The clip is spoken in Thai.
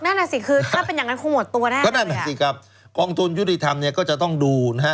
นั่นน่ะสิคือถ้าเป็นอย่างนั้นคงหมดตัวได้ก็นั่นแหละสิครับกองทุนยุติธรรมเนี่ยก็จะต้องดูนะฮะ